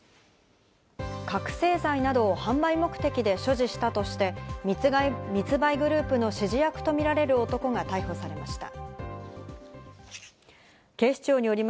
覚醒剤などを販売目的で所持したとして密売グループの指示役とみられる男が逮捕されました。